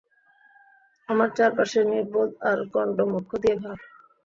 আমার চারপাশে নির্বোধ আর গন্ড মূর্খ দিয়ে ভরা।